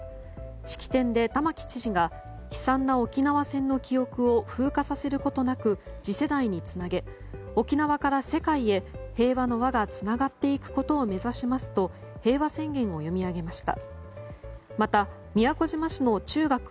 式典で、玉城知事が悲惨な沖縄戦の記憶を風化させることなく次世代につなげ沖縄から世界へ平和の輪がつながっていくことを目指しますと平和宣言を読み上げました。